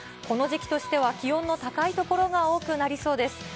この時期としては、気温の高い所が多くなりそうです。